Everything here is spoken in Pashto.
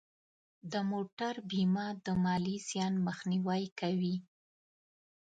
د موټر بیمه د مالی زیان مخنیوی کوي.